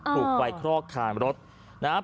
ถูกไฟคลอกคานรถนะครับ